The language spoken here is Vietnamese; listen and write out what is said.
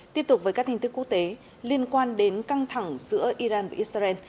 tiếp tục với các tin tức quốc tế liên quan đến căng thẳng giữa iran và israel